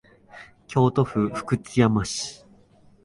京都府福知山市